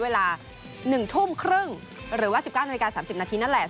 เวลา๑ทุ่มครึ่งหรือว่า๑๙นาฬิกา๓๐นาทีนั่นแหละ